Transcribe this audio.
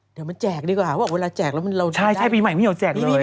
เดี๋ยวมาแจกดีกว่าว่าเวลาแจกแล้วเราจะได้ใช่ปีใหม่พี่หิวแจกเลย